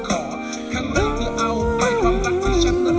หัวฉันเองแค่แท้จะโดนจริงที่ก็กลับไม่จำ